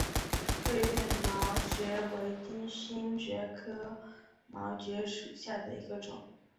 锐片毛蕨为金星蕨科毛蕨属下的一个种。